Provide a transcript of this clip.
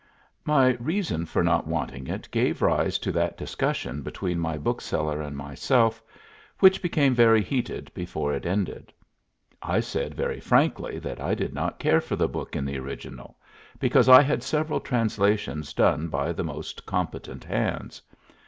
My reason for not wanting it gave rise to that discussion between my bookseller and myself, which became very heated before it ended. I said very frankly that I did not care for the book in the original, because I had several translations done by the most competent hands.